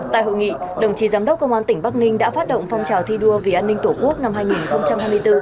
tại hội nghị đồng chí giám đốc công an tỉnh bắc ninh đã phát động phong trào thi đua vì an ninh tổ quốc năm hai nghìn hai mươi bốn